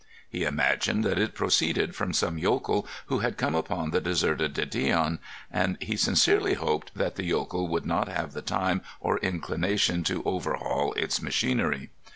He imagined that it proceeded from some yokel who had come upon the deserted de Dion, and he sincerely hoped that the yokel would not have the time or inclination to overhaul its machinery.